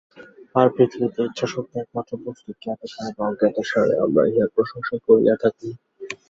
আর পৃথিবীতে ইচ্ছাশক্তিই একমাত্র বস্তু, জ্ঞাতসারে বা অজ্ঞাতসারে আমরা ইহার প্রশংসা করিয়া থাকি।